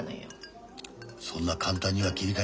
そんな簡単には切り替えられんよ。